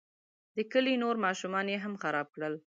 د کلي نور ماشومان یې هم خراب کړل.